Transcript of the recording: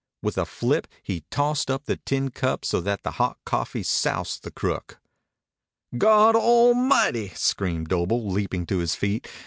With a flip he tossed up the tin cup so that the hot coffee soused the crook. "Goddlemighty!" screamed Doble, leaping to his feet.